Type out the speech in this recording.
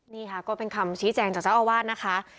นี่ค่ะก็เป็นคำชี้แจงจากเจ้าอาวาสนะคะ